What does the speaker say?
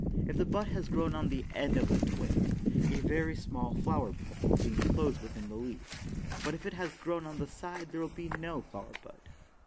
If the bud has grown on the end of the twig a very small flower bud will be enclosed within the leaves; but if it has grown on the side there will be no flower bud.